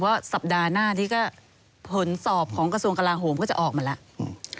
สัปดาห์หน้านี้ก็ผลสอบของกระทรวงกลาโหมก็จะออกมาแล้ว